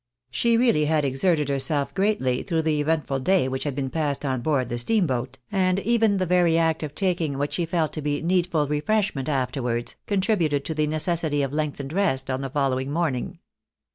She really had exerted herself greatly through the eventful day which had been passed on board the steamboat, and even the very act of taking what she felt to be needful refreshment afterwards, contributed to the neces sity of lengthened rest on the following morning.